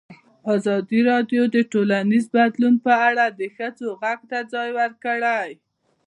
ازادي راډیو د ټولنیز بدلون په اړه د ښځو غږ ته ځای ورکړی.